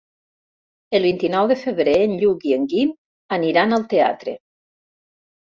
El vint-i-nou de febrer en Lluc i en Guim aniran al teatre.